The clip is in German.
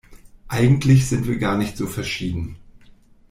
Eigentlich sind wir gar nicht so verschieden.